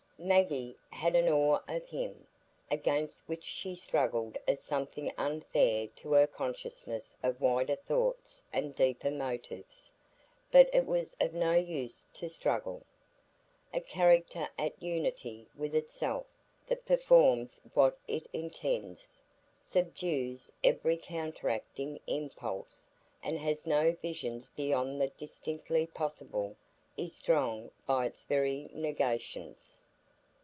Maggie had an awe of him, against which she struggled as something unfair to her consciousness of wider thoughts and deeper motives; but it was of no use to struggle. A character at unity with itself—that performs what it intends, subdues every counteracting impulse, and has no visions beyond the distinctly possible—is strong by its very negations.